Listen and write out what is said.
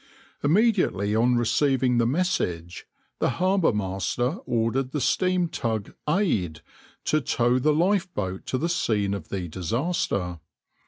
Immediately on receiving the message, the harbour master ordered the steam tug {\itshape{Aid}} to tow the lifeboat to the scene of the disaster.